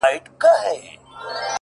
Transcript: مړ يې کړم اوبه له ياده وباسم!!